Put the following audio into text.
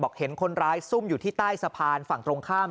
เห็นคนร้ายซุ่มอยู่ที่ใต้สะพานฝั่งตรงข้าม